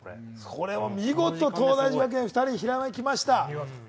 これは見事、東大寺学園２人ひらめきました。